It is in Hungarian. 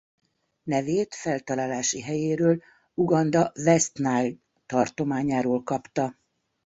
Nevét feltalálási helyéről Uganda West Nile tartományáról kapta.